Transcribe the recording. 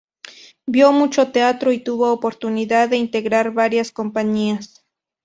Vio mucho teatro y tuvo oportunidad de integrar varias compañías.